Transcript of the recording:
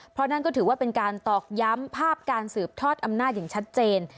เพราะนั่นก็ถือว่าเป็นการตอกย้ำภาพการสืบทอดอำนาจอย่างชัดเจน